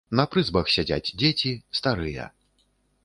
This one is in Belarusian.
На прызбах сядзяць дзеці, старыя.